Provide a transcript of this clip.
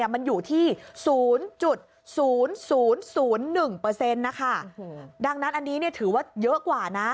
มันอยู่ที่๐๐๐๐๑เปอร์เซ็นต์ดังนั้นอันนี้ถือว่าเยอะกว่า